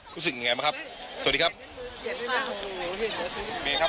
รู้สึกยังไงบ้างครับสวัสดีครับ